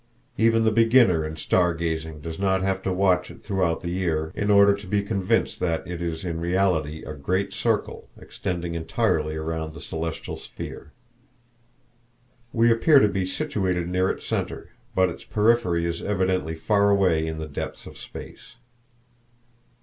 Even the beginner in star gazing does not have to watch it throughout the year in order to be convinced that it is, in reality, a great circle, extending entirely around the celestial sphere. We appear to be situated near its center, but its periphery is evidently far away in the depths of space.